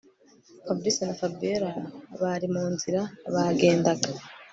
FABRIC na Fabiora bari munzira bagendaga